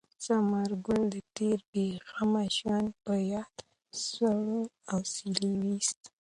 ثمر ګل د تېر بې غمه ژوند په یاد سوړ اسویلی ویوست.